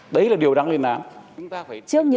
đấy là điều đáng liên án